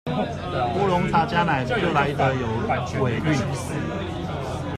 烏龍茶加奶就來得有尾韻